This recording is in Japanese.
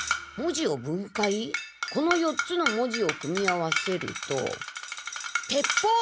この４つの文字を組み合わせると鉄砲！